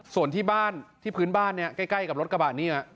ส่วนที่บ้านที่พื้นบ้านเนี่ยใกล้กับรถกระบะนี้